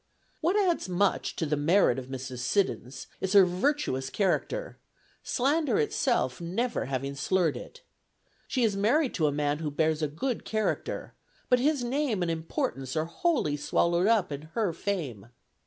"What adds much to the merit of Mrs. Siddons, is her virtuous character; slander itself never having slurred it. She is married to a man who bears a good character; but his name and importance are wholly swallowed up in her fame.